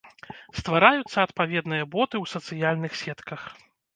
Ствараюцца адпаведныя боты ў сацыяльных сетках.